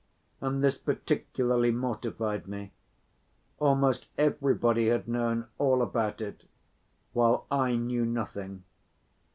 And this particularly mortified me; almost everybody had known all about it, while I knew nothing.